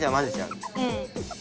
うん。